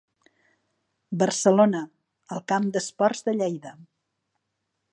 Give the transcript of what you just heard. Barcelona, al Camp d'Esports de Lleida.